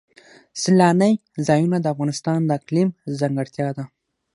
سیلانی ځایونه د افغانستان د اقلیم ځانګړتیا ده.